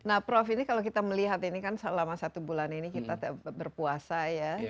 nah prof ini kalau kita melihat ini kan selama satu bulan ini kita berpuasa ya